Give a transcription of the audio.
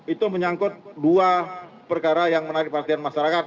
itu menyangkut dua perkara yang menarik perhatian masyarakat